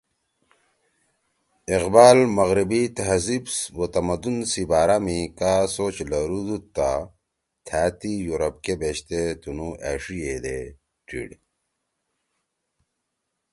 اقبال مغربی تہذیب او تمدن سی بارا می کا سوچ لرُودُودتا تھأ تی یورپ کے بیشتے تنُو أݜیِئے ڈیڑ